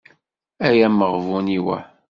Ay ameɣbun-iw ah.